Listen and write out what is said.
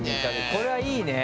これはいいね！